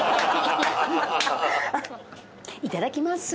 いただきます。